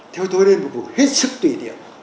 theo tôi nên một vụ hết sức tùy tiện